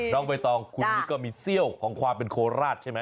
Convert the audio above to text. น้องใบตองคุณนี่ก็มีเซี่ยวของความเป็นโคราชใช่ไหม